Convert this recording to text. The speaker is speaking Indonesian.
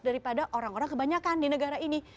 daripada orang orang kebanyakan di negara ini